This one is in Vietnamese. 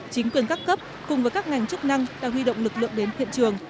chính quyền các cấp cùng với các ngành chức năng đã huy động lực lượng đến hiện trường